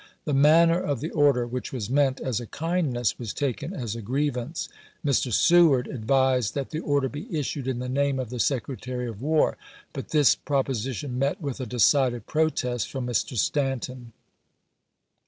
The manner of the order, which was meant as a kindness, was taken as a grievance. Mr. Seward advised that the order be issued in the name of the Secretary of War, but this proposition met with a decided protest from Mr. Stanton.